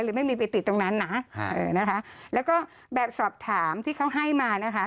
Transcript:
หรือไม่มีไปติดตรงนั้นนะนะคะแล้วก็แบบสอบถามที่เขาให้มานะคะ